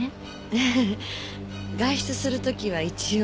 ええ外出する時は一応。